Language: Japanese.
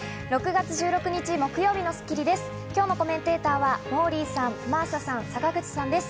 ６月１６日、木曜日の『スッキリ』です。